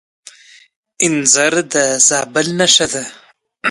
انځر د زابل نښه ده.